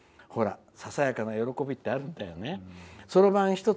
ささやかな喜びってあるんだよね。